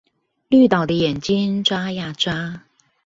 綠島的眼睛眨呀眨